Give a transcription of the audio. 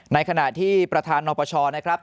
ในขณะที่ประธานนปชนะครับ